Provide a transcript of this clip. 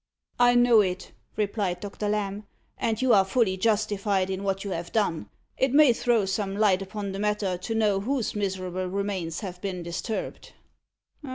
"I know it," replied Doctor Lamb; "and you are fully justified in what you have done. It may throw some light upon the matter, to know whose miserable remains have been disturbed."